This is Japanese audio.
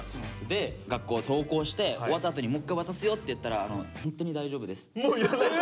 で学校登校して終わったあとにもう一回渡すよって言ったらもういらないって。